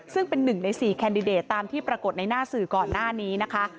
ซึ่งเป็น๑ใน๔แคนดิเดตตามที่ปรากฏในหน้าสื่อก่อนหน้านี้นะคะ